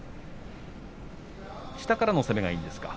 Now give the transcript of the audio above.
下からの攻めがいいんですか。